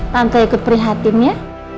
tante ikut perhatimnya